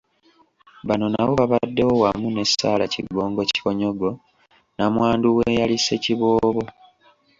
Bano nabo babaddewo wamu ne Sarah Kigongo Kikonyogo Nnamwandu w'eyali Ssekiboobo.